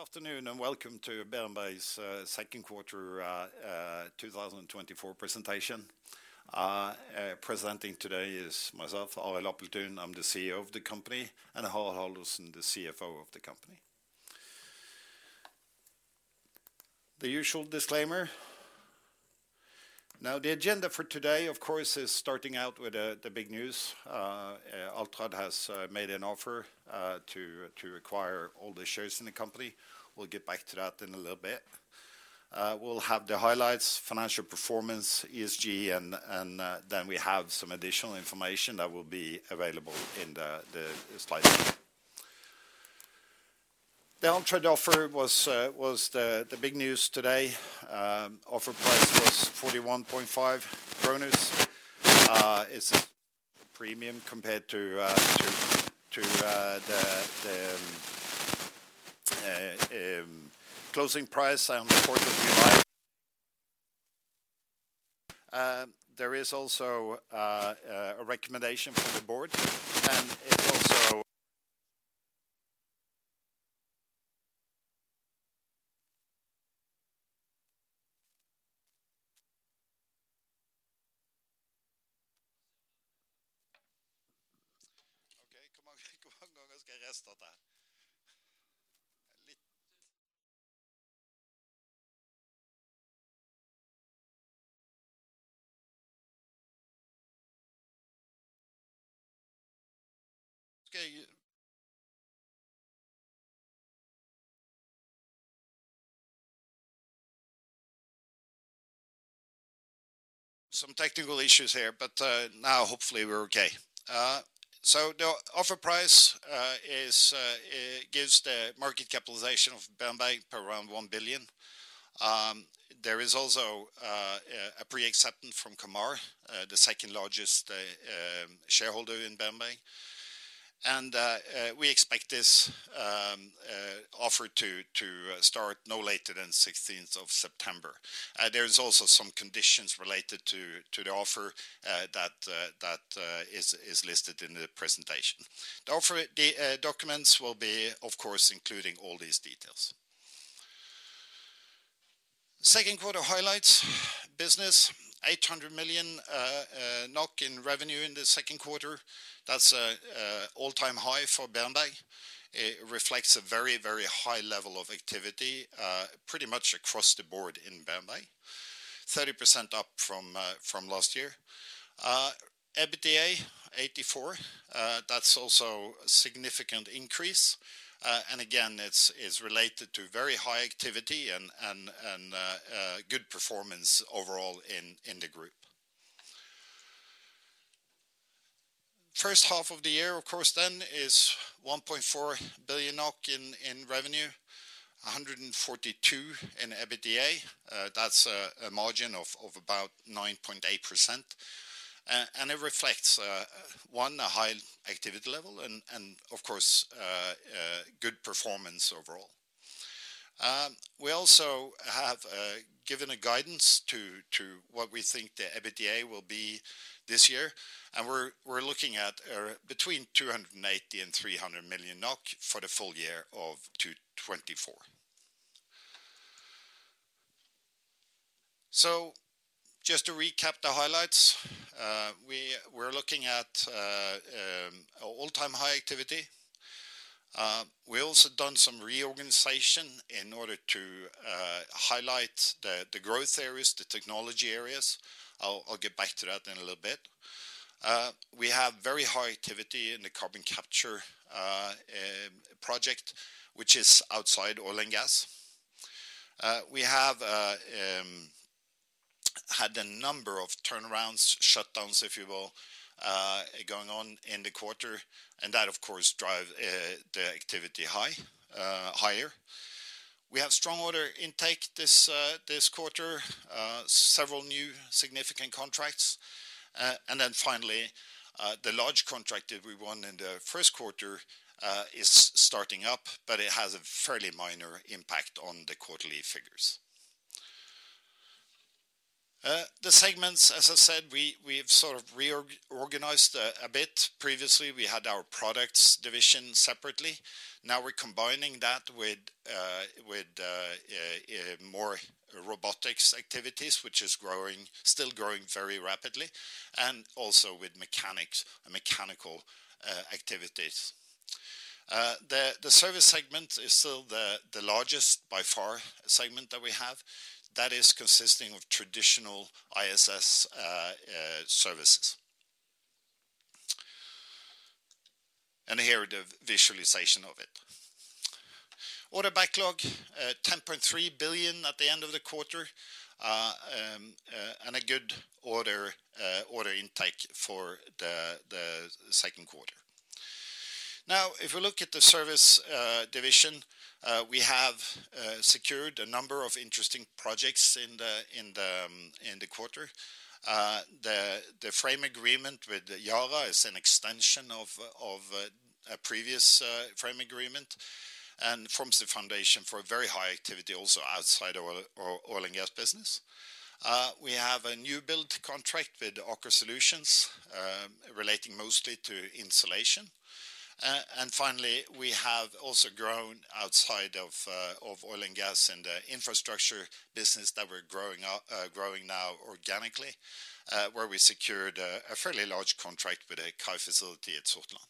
Good afternoon, and welcome to Beerenberg's second quarter 2024 presentation. Presenting today is myself, Arild Apelthun, I'm the CEO of the company, and Harald Haldorsen, the CFO of the company. The usual disclaimer. Now, the agenda for today, of course, is starting out with the big news. Altrad has made an offer to acquire all the shares in the company. We'll get back to that in a little bit. We'll have the highlights, financial performance, ESG, and then we have some additional information that will be available in the slides. The Altrad offer was the big news today. Offer price was 41.5 NOK. It's a premium compared to the closing price on the 4th of July. So the offer price is. It gives the market capitalization of Beerenberg around 1 billion NOK. There is also a pre-acceptance from Camar, the second largest shareholder in Beerenberg. And we expect this offer to start no later than sixteenth of September. There is also some conditions related to the offer that is listed in the presentation. The offer documents will be, of course, including all these details. Second quarter highlights: Business, 800 million NOK in revenue in the second quarter. That's an all-time high for Beerenberg. It reflects a very, very high level of activity pretty much across the board in Beerenberg. 30% up from last year. EBITDA 84, that's also a significant increase, and again, it's related to very high activity and good performance overall in the group. First half of the year, of course, then is 1.4 billion NOK in revenue, 142 in EBITDA. That's a margin of about 9.8%. And it reflects a high activity level and, of course, good performance overall. We also have given a guidance to what we think the EBITDA will be this year, and we're looking at between 280 million and 300 million NOK for the full year of 2024. So just to recap the highlights, we're looking at all-time high activity. We also done some reorganization in order to highlight the growth areas, the technology areas. I'll get back to that in a little bit. We have very high activity in the carbon capture project, which is outside oil and gas. We have had a number of turnarounds, shutdowns, if you will, going on in the quarter, and that, of course, drive the activity high, higher. We have strong order intake this quarter, several new significant contracts. And then finally, the large contract that we won in the first quarter is starting up, but it has a fairly minor impact on the quarterly figures. The segments, as I said, we've sort of reorganized a bit. Previously, we had our products division separately. Now, we're combining that with more robotics activities, which is growing, still growing very rapidly, and also with mechanics and mechanical activities. The service segment is still the largest, by far, segment that we have. That is consisting of traditional ISS services. And here, the visualization of it. Order backlog 10.3 billion at the end of the quarter and a good order intake for the second quarter. Now, if we look at the service division, we have secured a number of interesting projects in the quarter. The frame agreement with Yara is an extension of a previous frame agreement, and forms the foundation for a very high activity also outside our oil and gas business. We have a new build contract with Aker Solutions, relating mostly to insulation. And finally, we have also grown outside of oil and gas in the infrastructure business that we're growing now organically, where we secured a fairly large contract with a Gaia Vesterålen facility at Sortland.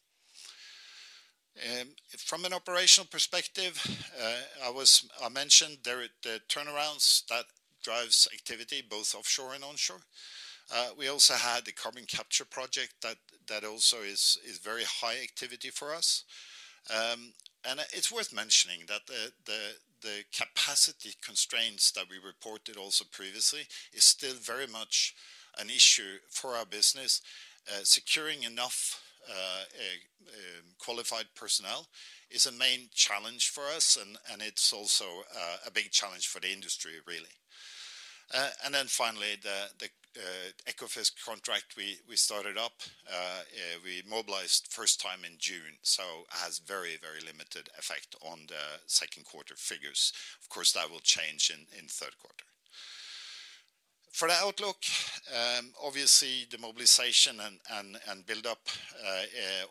From an operational perspective, I mentioned there are the turnarounds that drives activity both offshore and onshore. We also had the carbon capture project that also is very high activity for us. And it's worth mentioning that the capacity constraints that we reported also previously is still very much an issue for our business. Securing enough qualified personnel is a main challenge for us, and it's also a big challenge for the industry, really. And then finally, the Ekofisk contract, we started up, we mobilized first time in June, so has very, very limited effect on the second quarter figures. Of course, that will change in third quarter. For the outlook, obviously, the mobilization and build up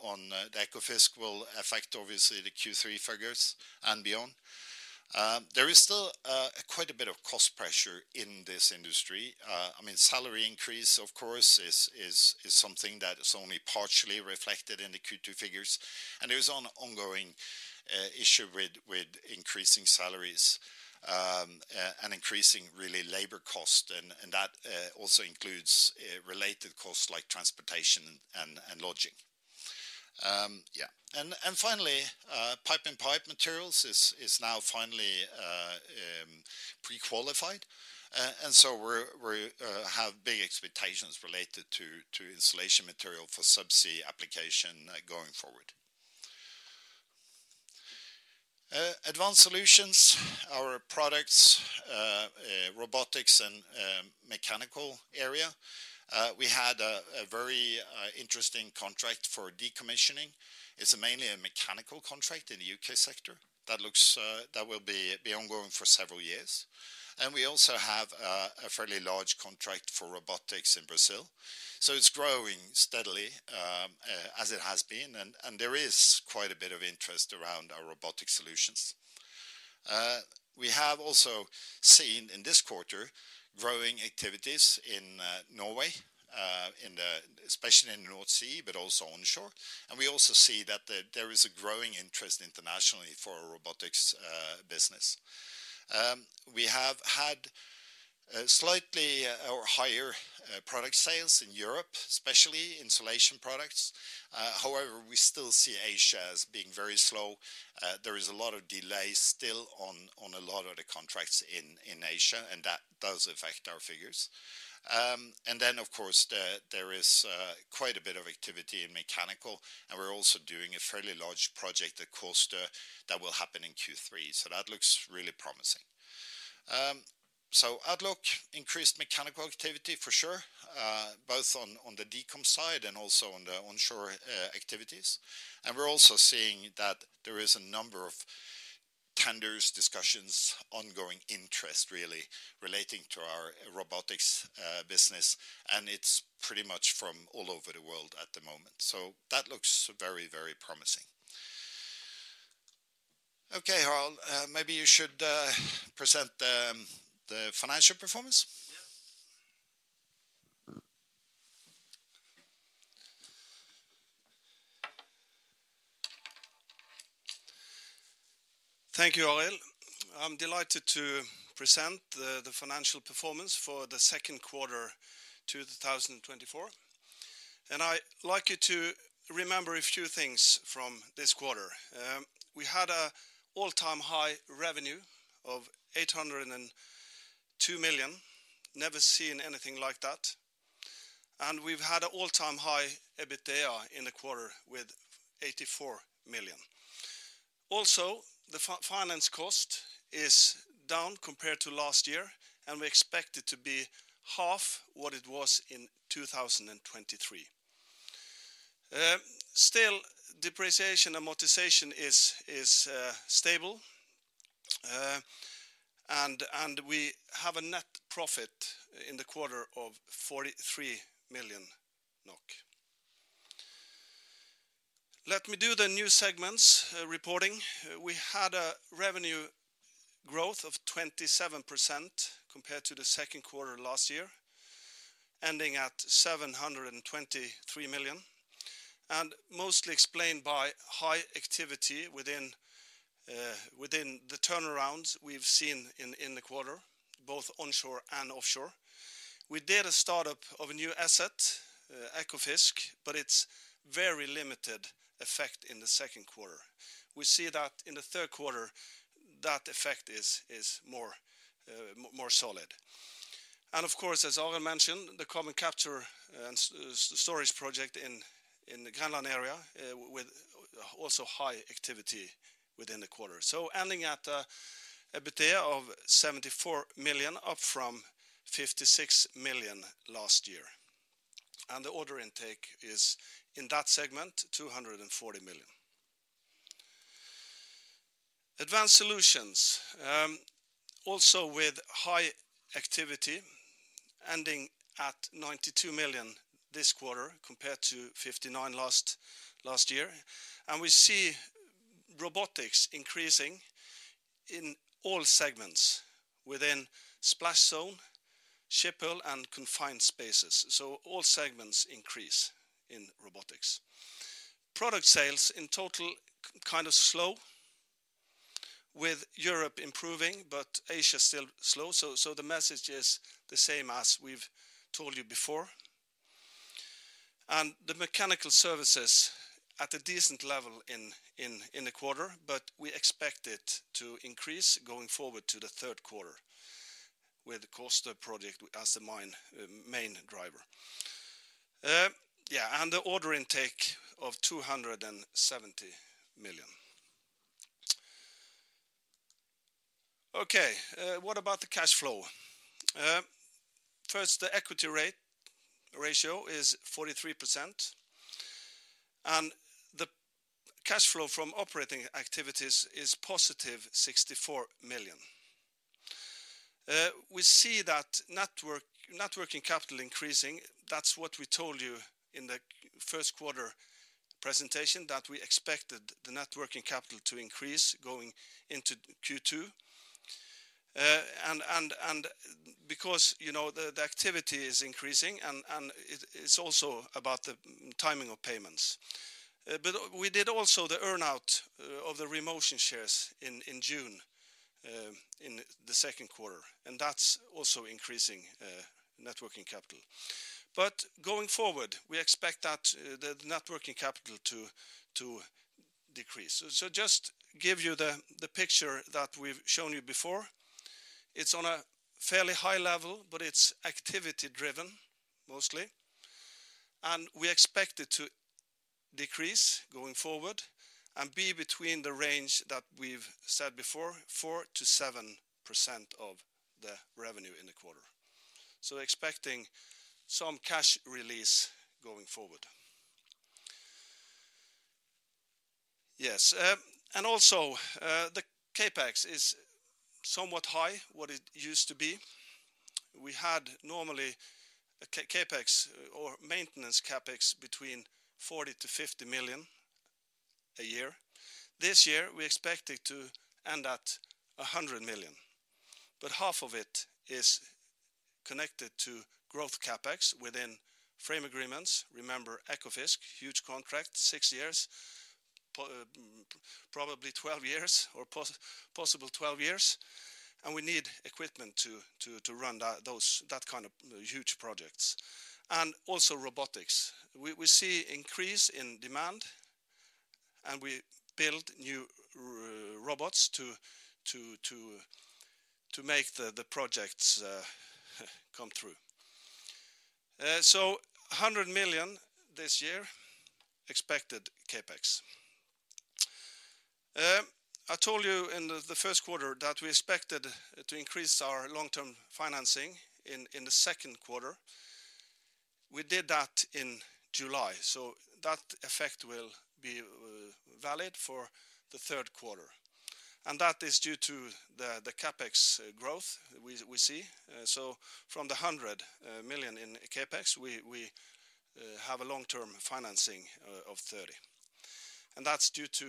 on the Ekofisk will affect obviously the Q3 figures and beyond. There is still quite a bit of cost pressure in this industry. I mean, salary increase, of course, is something that is only partially reflected in the Q2 figures, and there is ongoing issue with increasing salaries, and increasing really labor cost, and that also includes related costs like transportation and lodging. Yeah. And finally, Pipe-in-Pipe materials is now finally pre-qualified. And so we're have big expectations related to insulation material for subsea application going forward. Advanced Solutions, our products, robotics and mechanical area. We had a very interesting contract for decommissioning. It's mainly a mechanical contract in the U.K. sector that looks that will be ongoing for several years. And we also have a fairly large contract for robotics in Brazil, so it's growing steadily, as it has been, and there is quite a bit of interest around our robotic solutions. We have also seen in this quarter growing activities in Norway, especially in the North Sea, but also onshore. And we also see that there is a growing interest internationally for our robotics business. We have had slightly or higher product sales in Europe, especially insulation products. However, we still see Asia as being very slow. There is a lot of delays still on a lot of the contracts in Asia, and that does affect our figures. And then, of course, the, there is, quite a bit of activity in mechanical, and we're also doing a fairly large project at Kårstø that will happen in Q3, so that looks really promising. So outlook, increased mechanical activity for sure, both on, on the decom side and also on the onshore, activities. And we're also seeing that there is a number of tenders, discussions, ongoing interest, really, relating to our robotics, business, and it's pretty much from all over the world at the moment. So that looks very, very promising. Okay, Harald, maybe you should, present the, the financial performance. Yes. Thank you, Arild. I'm delighted to present the financial performance for the second quarter, 2024, and I'd like you to remember a few things from this quarter. We had an all-time high revenue of 802 million NOK. Never seen anything like that, and we've had an all-time high EBITDA in the quarter with 84 million NOK. Also, the finance cost is down compared to last year, and we expect it to be half what it was in 2023. Still, depreciation and amortization is stable, and we have a net profit in the quarter of 43 million NOK. Let me do the new segments reporting. We had a revenue growth of 27% compared to the second quarter last year, ending at 723 million, and mostly explained by high activity within the turnarounds we've seen in the quarter, both onshore and offshore. We did a startup of a new asset, Ekofisk, but it's very limited effect in the second quarter. We see that in the third quarter that effect is more solid. And of course, as Arild mentioned, the carbon capture and storage project in the Grenland area, with also high activity within the quarter. So ending at an EBITDA of 74 million, up from 56 million last year, and the order intake in that segment is 240 million. Advanced Solutions also with high activity ending at 92 million this quarter, compared to 59 last year. And we see robotics increasing in all segments within splash zone, ship hull, and confined spaces. So all segments increase in robotics. Product sales in total, kind of slow, with Europe improving, but Asia still slow. So the message is the same as we've told you before. And the mechanical services at a decent level in the quarter, but we expect it to increase going forward to the third quarter, with the Kårstø project as the main driver. And the order intake of 270 million. Okay, what about the cash flow? First, the equity ratio is 43%, and the cash flow from operating activities is positive 64 million. We see that net working capital increasing. That's what we told you in the first quarter presentation, that we expected the net working capital to increase going into Q2. And because, you know, the activity is increasing, and it’s also about the timing of payments. But we did also the earn-out of the Remotion shares in June, in the second quarter, and that's also increasing net working capital. But going forward, we expect that the net working capital to decrease. So just give you the picture that we've shown you before, it's on a fairly high level, but it's activity-driven, mostly, and we expect it to decrease going forward and be between the range that we've said before, 4%-7% of the revenue in the quarter. So expecting some cash release going forward. Yes, and also, the CapEx is somewhat high, what it used to be. We had normally a CapEx or maintenance CapEx between 40-50 million a year. This year, we expect it to end at 100 million, but half of it is connected to growth CapEx within frame agreements. Remember Ekofisk, huge contract, six years, probably 12 years, or possible 12 years, and we need equipment to run that kind of huge projects, and also robotics. We see increase in demand, and we build new robots to make the projects come through. So 100 million this year, expected CapEx. I told you in the first quarter that we expected to increase our long-term financing in the second quarter. We did that in July, so that effect will be valid for the third quarter, and that is due to the CapEx growth we see. So from the 100 million in CapEx, we have a long-term financing of 30, and that's due to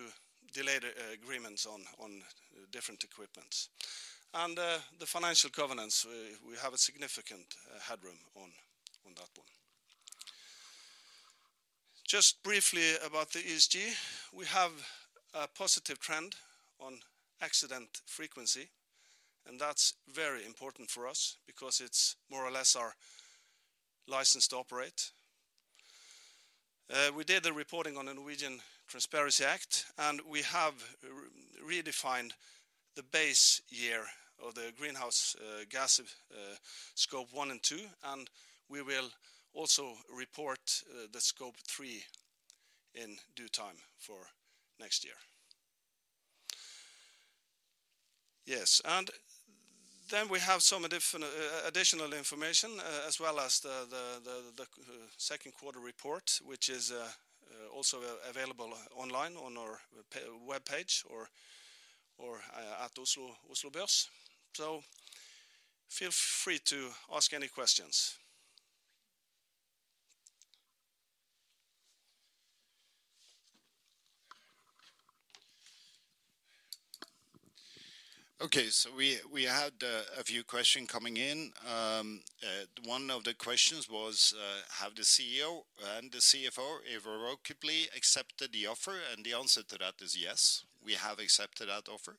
delayed agreements on different equipments, and the financial covenants we have a significant headroom on that one. Just briefly about the ESG, we have a positive trend on accident frequency, and that's very important for us because it's more or less our license to operate. We did the reporting on the Norwegian Transparency Act, and we have redefined the base year of Scope 1 and 2, and we will also report the Scope 3 in due time for next year. Yes, and then we have some additional information, as well as the second quarter report, which is also available online on our web page or at Oslo Børs. So feel free to ask any questions. Okay, so we had a few questions coming in. One of the questions was, "Have the CEO and the CFO irrevocably accepted the offer?" And the answer to that is yes, we have accepted that offer.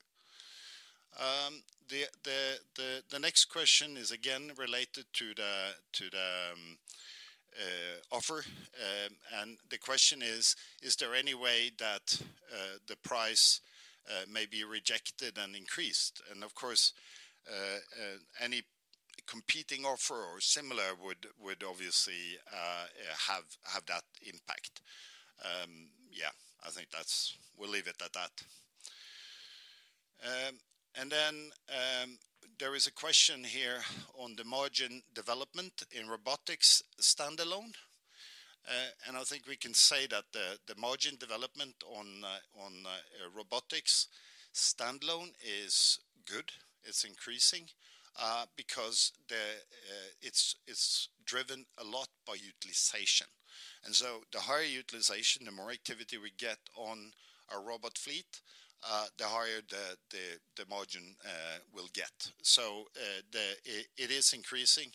The next question is again related to the offer, and the question is: "Is there any way that the price may be rejected and increased?" And of course, any competing offer or similar would obviously have that impact. Yeah, I think that's... We'll leave it at that. And then, there is a question here on the margin development in robotics standalone, and I think we can say that the margin development on robotics standalone is good. It's increasing because it's driven a lot by utilization, and so the higher utilization, the more activity we get on our robot fleet, the higher the margin will get. So it is increasing,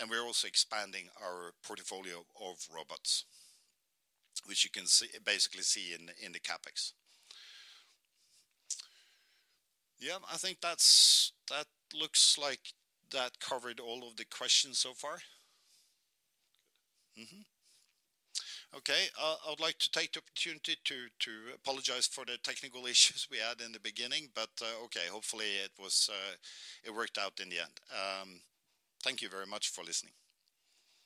and we're also expanding our portfolio of robots, which you can see, basically see in the CapEx. Yeah, I think that looks like that covered all of the questions so far. Mm-hmm. Okay, I would like to take the opportunity to apologize for the technical issues we had in the beginning, but okay, hopefully it worked out in the end. Thank you very much for listening.